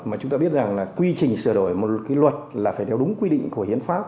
mà chúng ta biết rằng là quy trình sửa đổi một cái luật là phải theo đúng quy định của hiến pháp